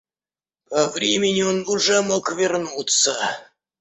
По времени он уже мог вернуться.